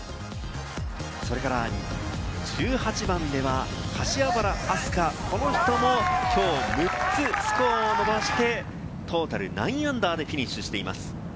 １８番では、柏原明日架、この人もきょう６つスコアを伸ばして、トータル−９でフィニッシュしています。